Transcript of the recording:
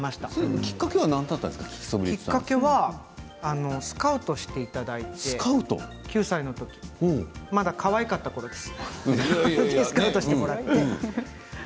きっかけは、９歳の時にスカウトしていただいてまだ、かわいかったころです。